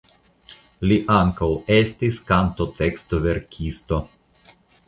Li ankaŭ estis kantotekstoverkisto.